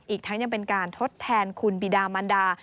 อีกทั้งยังเป็นการทดแทนคุณบิดามันดา